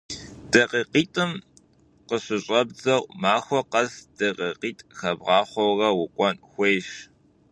ДакъикъитӀым къыщыщӀэбдзэу, махуэ къэс дакъикъитӀ хэбгъахъуэурэ укӀуэн хуейщ.